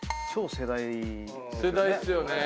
世代ですよね。